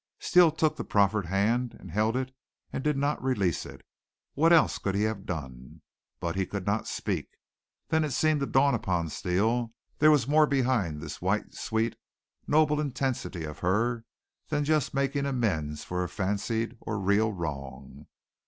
Steele took the proffered hand and held it, and did not release it. What else could he have done? But he could not speak. Then it seemed to dawn upon Steele there was more behind this white, sweet, noble intensity of her than just making amends for a fancied or real wrong.